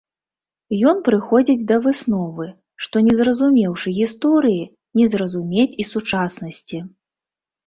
Ён прыходзіць да высновы, што не зразумеўшы гісторыі, не зразумець і сучаснасці.